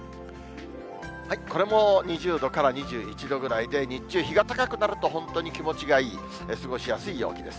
これも２０度から２１度ぐらいで、日中、日が高くなると本当に気持ちがいい、過ごしやすい陽気です。